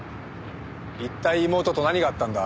一体妹と何があったんだ？